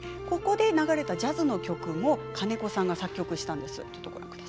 ここで流れたジャズの曲も金子さんが作曲したんです。